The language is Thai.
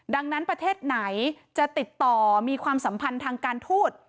ดังนั้นประเทศไหนจะติดต่อมีความสัมพันธ์ทางการทูต